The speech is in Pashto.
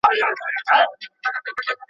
ستا خو غاړه په موږ ټولو کي ده لنډه.